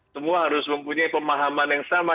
semua harus mempunyai pemahaman yang sama